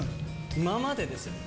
今までですよ。